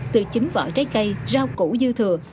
từ chính vỏ trái cây rau củ dư thừa